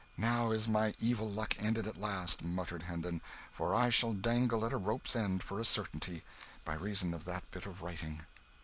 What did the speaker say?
"Now is my evil luck ended at last," muttered Hendon, "for I shall dangle at a rope's end for a certainty, by reason of that bit of writing.